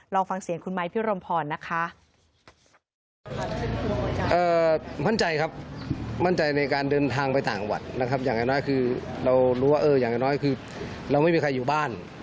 ลองฟังเสียงคุณไม้พิรมพรนะคะ